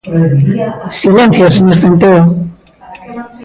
¡Silencio, señor Centeo!